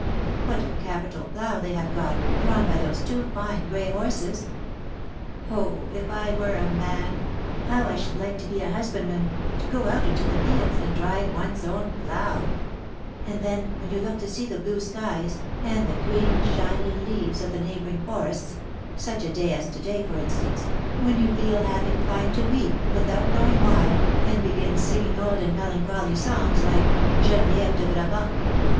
What a capital plough they have got, drawn by those two fine gray horses. Oh, if I were a man, how I should like to be a husbandman, to go out in the fields, and drive one's own plough; and then when you look to see the blue skies, and the green shiny leaves of the neighbouring forests, such a day as to day, for instance, when you feel half inclined to weep, without knowing why, and begin singing old and melancholy songs, like 'Geneviève de Brabant.'